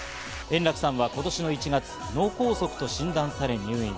円楽さんは今年の１月、脳梗塞と診断され入院。